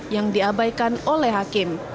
yang diabaikan oleh hakim